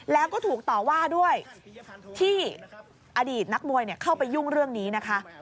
แล้วก็ถูกต่อว่าด้วยที่อดีตนักมวยเข้าไปยุ่งเรื่องนี้นะคะ